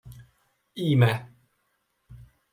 Íme!